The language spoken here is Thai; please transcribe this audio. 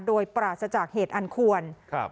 โดยปราศจากเหตุอันควร